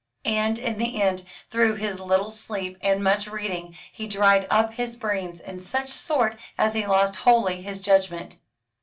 And in the end, through his little sleep and much reading, he dried up his brains in such sort as he lost wholly his judgment.